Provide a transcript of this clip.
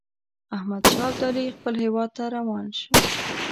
احمدشاه ابدالي خپل هیواد ته روان شو.